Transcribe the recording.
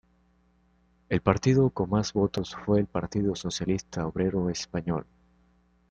El partido con más votos fue el Partido Socialista Obrero Español.